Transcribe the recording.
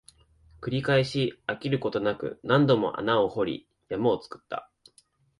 繰り返し、飽きることなく、何度も穴を掘り、山を作った